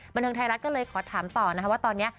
บรรเทิงไทยรักษณ์ก็เลยขอถามต่อว่าตอนนี้